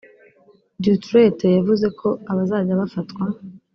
Duterte yavuze ko abazajya bafatwa